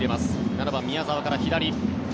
７番、宮澤から左。